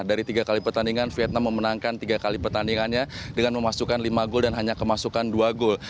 dari tiga kali pertandingan vietnam memenangkan tiga kali pertandingannya dengan memasukkan lima gol dan hanya kemasukan dua gol